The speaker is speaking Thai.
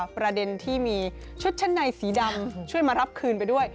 ประเด็นที่มีชุดชั้นในสีดำช่วยมารับคืนไปด้วย